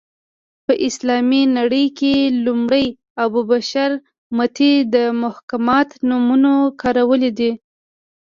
په اسلامي نړۍ کې لومړی ابو بشر متي د محاکات نومونه کارولې ده